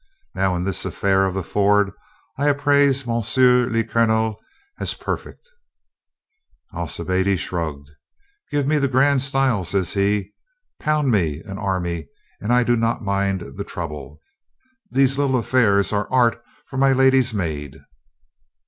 Now, in this affair of the ford I appraise M. le Colonel as perfect." Alcibiade shrugged. "Give me the grand style," says he. "Pound me an army and I do not mind the trouble. These little affairs are art for my lady's maid."